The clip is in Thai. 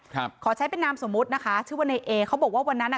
ขอใช้เป็นนามสมมุตินะคะชื่อว่าในเอเขาบอกว่าวันนั้นอ่ะ